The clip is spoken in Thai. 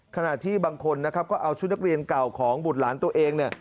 ขณะที่บางคนนะครับก็เอาชุดนักเรียนเก่าของบุตรหลานตัวเองเนี่ย